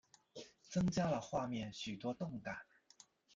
增加了画面许多动感